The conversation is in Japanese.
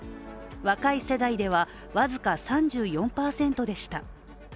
若い世代では僅か３４％でした。